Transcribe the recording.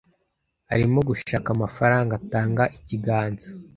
Arimo gushaka amafaranga atanga ikiganza.